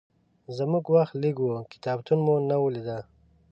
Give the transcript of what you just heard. زموږ وخت لږ و، کتابتون مو ونه لید.